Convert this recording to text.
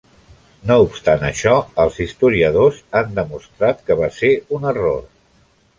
No obstant això, els historiadors han demostrat que va ser un error.